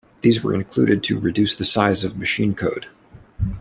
These were included to reduce the size of machine code.